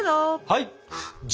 はい！